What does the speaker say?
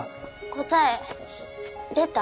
答え出た？